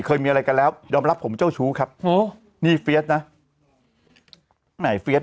เคยมีอะไรกันแล้วยอมรับผมเจ้าชู้ครับโหนี่เฟียสนะไหนเฟียส